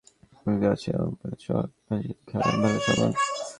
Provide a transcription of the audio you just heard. Chris গেইলের বিপক্ষে যেহেতু সুখস্মৃতি আছে, অফস্পিনার সোহাগ গাজীরও খেলার ভালো সম্ভাবনা।